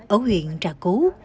ở huyện trà cú